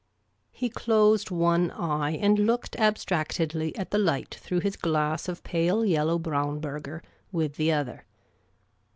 He closed one eye, and looked abstractedly at the light through his glass of pale yellow Brauneberger with the other.